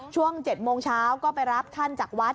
ช่วง๗โมงเช้าก็ไปรับท่านจากวัด